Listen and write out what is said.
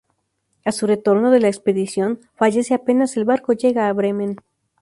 A su retorno de la expedición, fallece apenas el barco llega a Bremen.